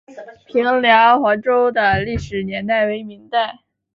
平凉隍庙的历史年代为明代。